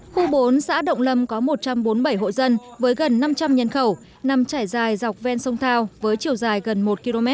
khu bốn xã động lâm có một trăm bốn mươi bảy hộ dân với gần năm trăm linh nhân khẩu nằm chảy dài dọc ven sông thao với chiều dài gần một km